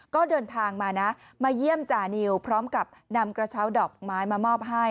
ก็เดินทางมานะมาเยี่ยมจานิวพร้อมกับนำกระเช้าดอกไม้มามอบให้